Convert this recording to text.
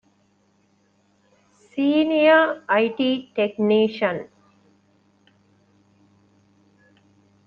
ސީނިއަރ އައި.ޓީ. ޓެކްނީޝަން